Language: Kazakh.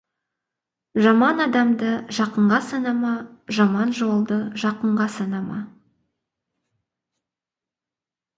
Жаман адамды жақынға санама, жаман жолды жақынға санама.